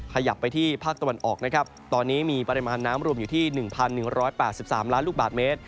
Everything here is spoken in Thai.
ขยับไปที่ภาคตะวันออกนะครับตอนนี้มีปริมาณน้ำรวมอยู่ที่๑๑๘๓ล้านลูกบาทเมตร